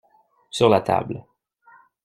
Sur la table.